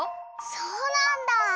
そうなんだ！